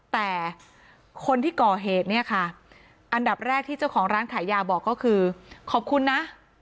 แต่คนที่ก่อเหตุเนี่ยค่ะอันดับแรกที่เจ้าของร้านขายยาบอกก็คือขอบคุณนะ